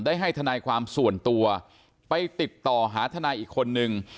ให้ทนายความส่วนตัวไปติดต่อหาทนายอีกคนนึง